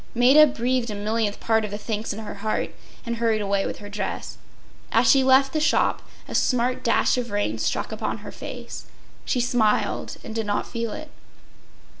” Maida breathed a millionth part of the thanks in her heart, and hurried away with her dress. As she left the shop a smart dash of rain struck upon her face. She smiled and did not feel it.